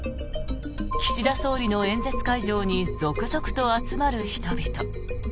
岸田総理の演説会場に続々と集まる人々。